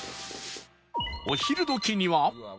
お昼時には